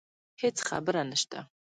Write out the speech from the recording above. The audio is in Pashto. هیڅ خبره نشته